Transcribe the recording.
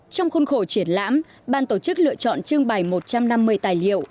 trong khuôn khổ triển lãm ban tổ chức lựa chọn trưng bày một trăm năm mươi tài liệu